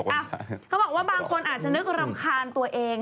เขาบอกว่าบางคนอาจจะนึกรำคาญตัวเอง